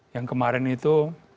yang kemarin itu